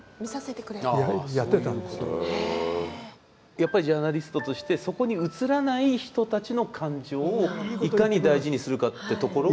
やっぱりジャーナリストとしてそこに映らない人たちの感情をいかに大事にするかってところが。